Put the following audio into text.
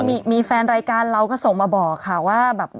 มีแฟนรายการเราก็ส่งมาบอกค่ะว่าแบบ